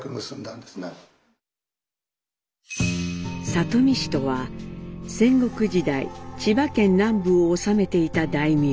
里見氏とは戦国時代千葉県南部を治めていた大名。